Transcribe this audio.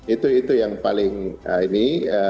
itu itu yang paling ini